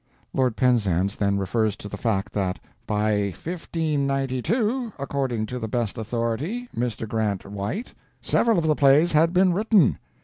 Lord Penzance then refers to the fact that "by 1592 (according to the best authority, Mr. Grant White) several of the plays had been written.